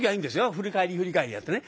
振り返り振り返りやってね。